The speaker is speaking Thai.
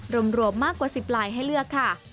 รวมมากกว่า๑๐ลายให้เลือกค่ะ